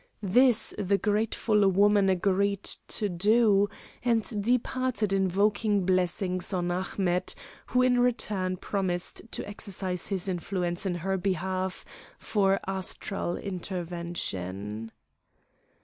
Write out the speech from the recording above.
This the grateful woman agreed to do, and departed invoking blessings on Ahmet, who in return promised to exercise his influence in her behalf for astral intervention.